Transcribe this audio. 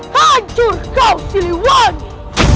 hancur kau siliwangi